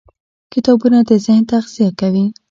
کتابونه د ذهن تغذیه کوي.